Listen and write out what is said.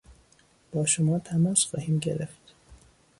با شما تماس خواهیم گرفت.